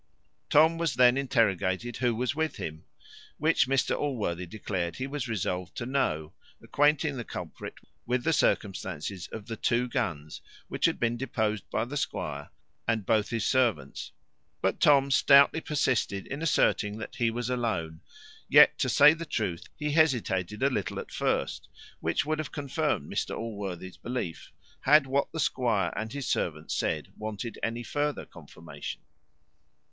Tom was then interrogated who was with him, which Mr Allworthy declared he was resolved to know, acquainting the culprit with the circumstance of the two guns, which had been deposed by the squire and both his servants; but Tom stoutly persisted in asserting that he was alone; yet, to say the truth, he hesitated a little at first, which would have confirmed Mr Allworthy's belief, had what the squire and his servants said wanted any further confirmation.